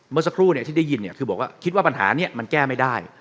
เมื่อสักครู่ที่ได้ยินคือบอกว่าคิดว่าปัญหานี้มันแก้ไม่ได้